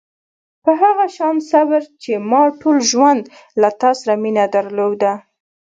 په هغه شان صبر چې ما ټول ژوند له تا سره مینه درلوده.